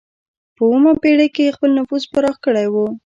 په اوومه پېړۍ کې یې خپل نفوذ پراخ کړی و.